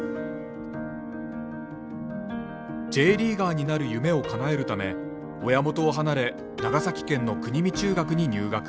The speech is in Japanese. Ｊリーガーになる夢をかなえるため親元を離れ長崎県の国見中学に入学。